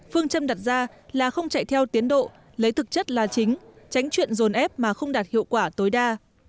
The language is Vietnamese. phương châm đặt ra là không chạy theo tiến độ lấy thực chất là chính tránh chuyện dồn ép mà không đạt hiệu quả tối đa